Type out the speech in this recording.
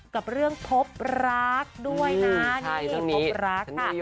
กับเรื่องพบรักด้วยนะนี่พบรักค่ะ